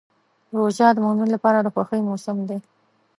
روژه د مؤمن لپاره د خوښۍ موسم دی.